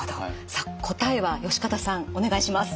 さあ答えは善方さんお願いします。